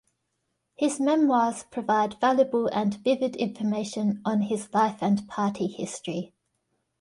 His memoirs provide valuable and vivid information on his life and party history.